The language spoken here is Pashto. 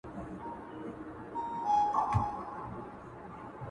ته غواړې هېره دي کړم فکر مي ارې ـ ارې کړم _